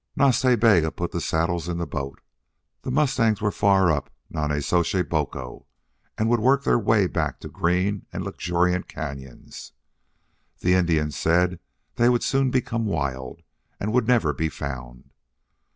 Nas Ta Bega put the saddles in the boat. The mustangs were far up Nonnezoshe Boco and would work their way back to green and luxuriant canyons. The Indian said they would soon become wild and would never be found.